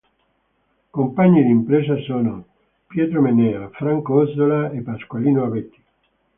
Compagni di impresa sono Pietro Mennea, Franco Ossola e Pasqualino Abeti.